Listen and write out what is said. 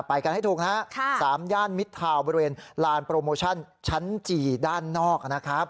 ไปกันให้ถูกนะฮะ๓ย่านมิดทาวน์บริเวณลานโปรโมชั่นชั้นจีด้านนอกนะครับ